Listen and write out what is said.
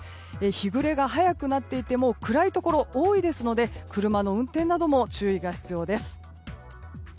日暮れが早くなっていて暗いところが多いので車の運転なども注意が必要です。